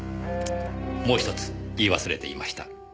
もう一つ言い忘れていました。